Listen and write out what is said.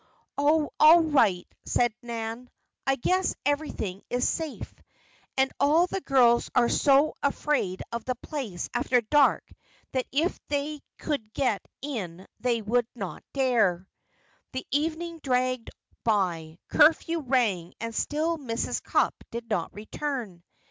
"Oh, all right," said Nan. "I guess everything is safe. And all of the girls are so afraid of the place after dark that if they could get in they would not dare." The evening dragged by. Curfew rang and still Mrs. Cupp did not return.